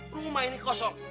rumah ini kosong